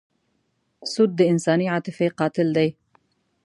سود د انساني عاطفې قاتل دی.